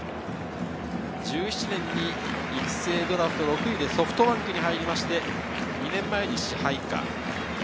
１７年に一斉ドラフト６位でソフトバンクに入って、２年前に支配下。